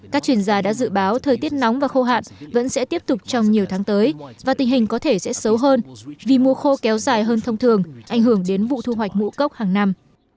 các chuyên gia đã dự báo thời tiết nóng và khô hạn vẫn sẽ tiếp tục trong nhiều tháng tới và tình hình có thể sẽ xấu hơn vì mùa khô kéo dài hơn thông thường ảnh hưởng đến vụ thu hoạch mũ cốc hàng năm